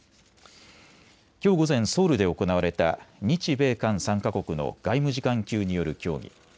きょう午前、ソウルで行われた日米韓３か国の外務次官級による協議。